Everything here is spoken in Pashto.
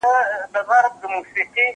پر سجده سو قلندر ته په دعا سو